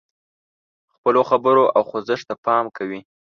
خپلو خبرو او خوځښت ته پام کوي.